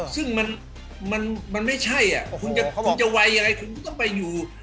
ซึ่งมันมันมันไม่ใช่อ่ะโอ้โหเขาบอกคุณจะคุณจะไวอย่างไรคุณต้องไปอยู่